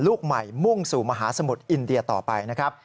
ลูกใหม่มุ่งสู่มหาสมุทรอินเดียต่อไปนะครับ